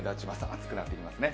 暑くなってきますね。